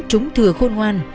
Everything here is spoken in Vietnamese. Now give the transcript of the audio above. chúng thừa khôn hoan